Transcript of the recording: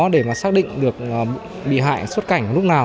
để mà xác định được bị hại xuất cảnh lúc nào